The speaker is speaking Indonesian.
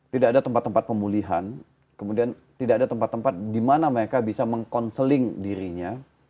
tidak ada tempat tempat pemulihan kemudian tidak ada tempat tempat di mana mereka bisa meng counseling dirinya